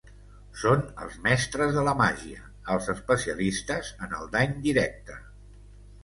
Són els mestres de la màgia, els especialistes en el dany directe.